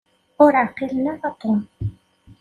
Ur ɛqilen ara Tom.